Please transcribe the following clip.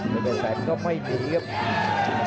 เดี๋ยวแปดแสนก็ไม่ถึงครับ